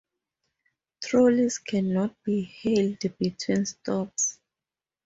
Trolleys cannot be hailed between stops.